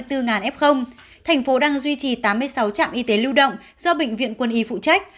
thành phố đang duy trì tám mươi sáu trạm y tế lưu động do bệnh viện quân y phụ trách